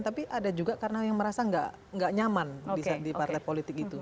tapi ada juga karena yang merasa nggak nyaman di partai politik itu